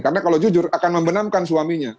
karena kalau jujur akan membenamkan suaminya